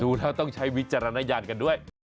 ดูแล้วต้องใช้วิจารณญาณกันด้วย